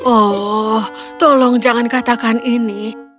oh tolong jangan katakan ini